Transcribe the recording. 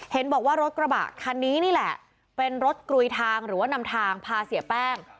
เห็นบอกว่ารถกระบะคันนี้นี่แหละเป็นรถกลุยทางหรือว่านำทางพาเสียแป้ง